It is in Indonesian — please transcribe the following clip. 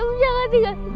abim jangan tinggal